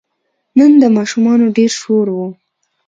نن د ماشومانو ډېر شور و.